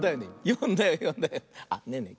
よんだよよんだよ。あっねえねえ